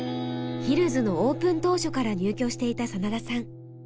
ヒルズのオープン当初から入居していた真田さん。